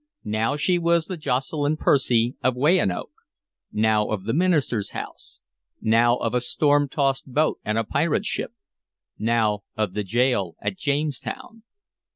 Now she was the Jocelyn Percy of Weyanoke, now of the minister's house, now of a storm tossed boat and a pirate ship, now of the gaol at Jamestown.